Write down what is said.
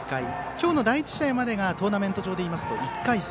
今日の第１試合までがトーナメント上でいうと１回戦。